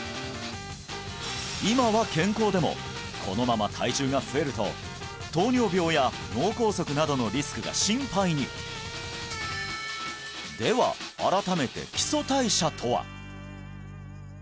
今は健康でもこのまま体重が増えると糖尿病や脳梗塞などのリスクが心配にでは改めて基礎代謝とは？